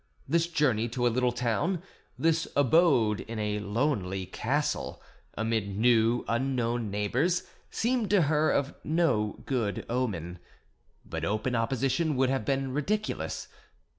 This journey to a little town, this abode in a lonely castle, amid new, unknown neighbours, seemed to her of no good omen; but open opposition would have been ridiculous.